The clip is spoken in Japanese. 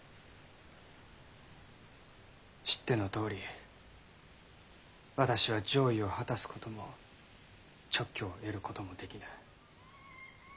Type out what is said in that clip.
知ってのとおり私は攘夷を果たすことも勅許を得ることもできぬ。